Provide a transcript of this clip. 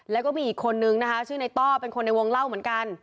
แล้วก็มีอีกคนนึงนะคะชื่อในต้อเป็นคนในวงเล่าเหมือนกัน